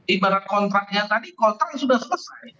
ibarat kontraknya tadi kontraknya sudah selesai